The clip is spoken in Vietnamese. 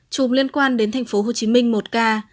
chùm liên quan đến thành phố hồ chí minh một ca